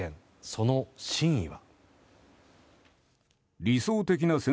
その真意は。